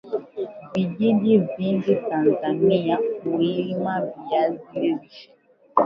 Vijiji vingi Tanzania hulima viazi lishe